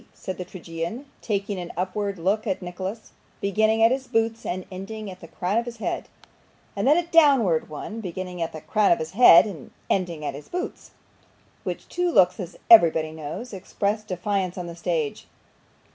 said the tragedian, taking an upward look at Nicholas, beginning at his boots and ending at the crown of his head, and then a downward one, beginning at the crown of his head, and ending at his boots which two looks, as everybody knows, express defiance on the stage.